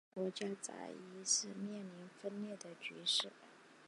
国家再一次面临分裂的局势。